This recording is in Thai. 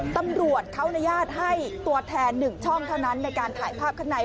ตำรวจเขาอนุญาตให้ตัวแทน๑ช่องเท่านั้นในการถ่ายภาพข้างใน